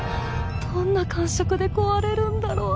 どんな感触で壊れるんだろう？